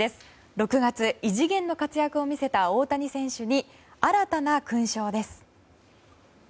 ６月、異次元の活躍を見せた大谷選手に新たな勲章です。